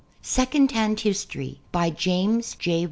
Second Hand History James J.